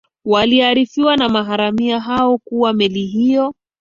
waliarifiwa na maharamia hawo kuwa meli hiyo